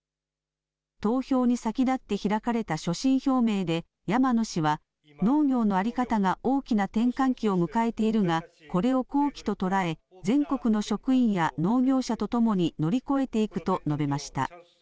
投票に先立って開かれた所信表明で、山野氏は、農業の在り方が大きな転換期を迎えているが、これを好機と捉え、全国の職員や農業者とともに乗り越えていくと述べました。